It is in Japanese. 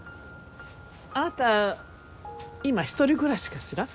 あなた今一人暮らしかしら？